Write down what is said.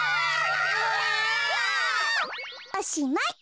おしまい。